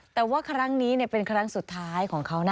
แต่ว่าครั้งนี้เป็นครั้งสุดท้ายของเขานะ